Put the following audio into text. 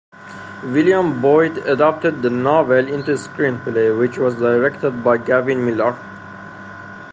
William Boyd adapted the novel into a screenplay, which was directed by Gavin Millar.